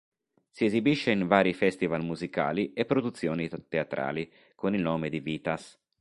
Si esibisce in vari festival musicali e produzioni teatrali, con il nome di Vitas.